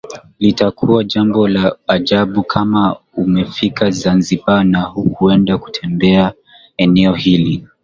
Litakuwa jambo la ajabu kama umefika Zanzibar na hukuenda kutembelea eneo hili